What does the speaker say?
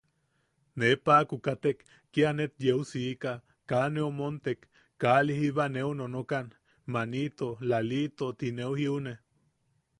Ne paʼaku katek kia net yeu siika, kaa neu montek, kaʼali jiba neu nonokan, manito Lalito ti neu jiune.